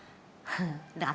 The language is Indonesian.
titisan datu endorse kathy